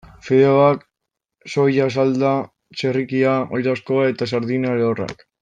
Fideoak, soia salda, txerrikia, oilaskoa eta sardina lehorrak.